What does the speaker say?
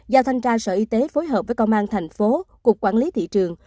giao thanh tra sở y tế phối hợp với công an thành phố cục quản lý thị trường